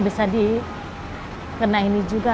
bisa dikena ini juga